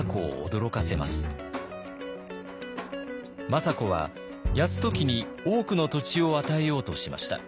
政子は泰時に多くの土地を与えようとしました。